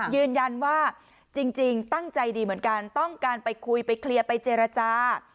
ยืนยันว่าจริงตั้งใจดีเหมือนกันต้องการไปคุยไปเคลียร์ไปเจรจา